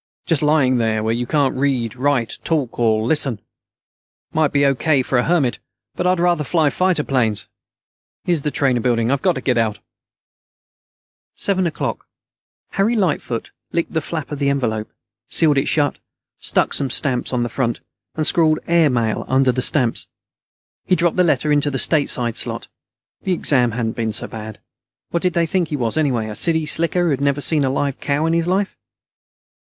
Just lying there, where you can't read, write, talk, or listen. It might be O.K. for a hermit, but I'd rather fly fighter planes. Here's the trainer building. I've got to get out." Seven o'clock. Harry Lightfoot licked the flap on the envelope, sealed it shut, stuck some stamps on the front, and scrawled "AIR MAIL" under the stamps. He dropped the letter into the "STATESIDE" slot. The exam hadn't been so bad. What did they think he was, anyway? A city slicker who had never seen a live cow in his life?